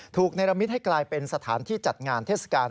ในระมิตให้กลายเป็นสถานที่จัดงานเทศกาล